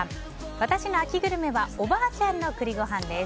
私の秋グルメはおばあちゃんの栗ご飯です。